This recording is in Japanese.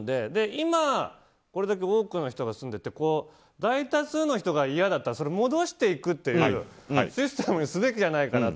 今、多くの人が住んでいて大多数の人がいやだったらそれを戻していくっていうシステムにすべきじゃないかなと。